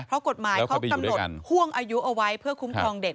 เพราะกฎหมายเขากำหนดห่วงอายุเอาไว้เพื่อคุ้มครองเด็ก